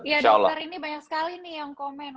ya dokter ini banyak sekali nih yang komen